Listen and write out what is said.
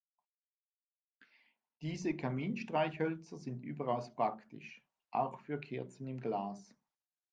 Diese Kaminstreichhölzer sind überaus praktisch, auch für Kerzen im Glas.